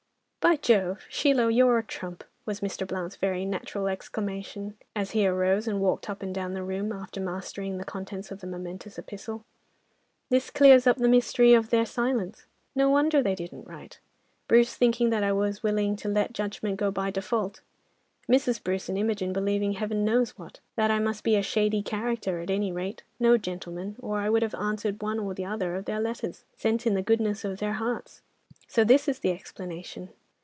"By Jove! Sheila, you're a trump!" was Mr. Blount's very natural exclamation, as he arose and walked up and down the room, after mastering the contents of the momentous epistle. "This clears up the mystery of their silence. No wonder they didn't write, Bruce thinking that I was willing to let judgment go by default. Mrs. Bruce and Imogen believing Heaven knows what? That I must be a shady character, at any rate, no gentleman, or I would have answered one or other of their letters—sent in the goodness of their hearts. So this is the explanation!"